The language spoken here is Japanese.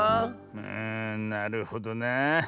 うんなるほどなあ。